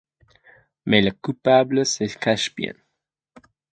Mais le coupable se cache bien